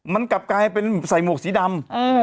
มันกลับกลายเป็นใส่หมวกสีดำ